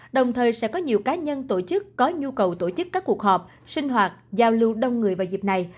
đồng thời sẽ có nhiều cá nhân tổ chức có nhu cầu tổ chức các cuộc họp sinh hoạt giao lưu đông người vào dịp này